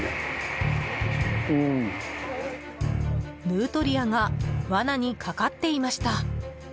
ヌートリアが罠にかかっていました。